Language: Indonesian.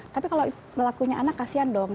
tapi kalau melakunya anak kasian dong